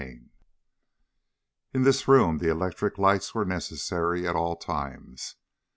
CHAPTER VI In this room the electric lights were necessary at all times.